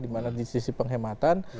di mana di sisi penghematan